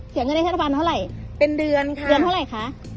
เสียเงินให้รัฐบาลเท่าไหร่เป็นเดือนเดือนเท่าไหร่คะ